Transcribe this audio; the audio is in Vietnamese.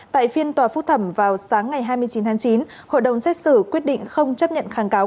tại phiên tòa phúc thẩm vào sáng ngày hai mươi chín tháng chín hội đồng xét xử quyết định không chấp nhận kháng cáo